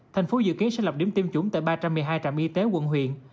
thành phố dự kiến sẽ lập điểm tiêm chủng tại ba trăm một mươi hai trạm y tế quận huyện